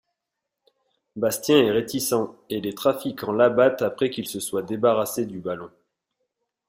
Bastien est réticent et les trafiquants l'abattent après qu'il se soit débarrassé du ballon.